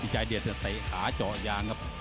ใจเด็ดแต่ใส่ขาเจาะยางครับ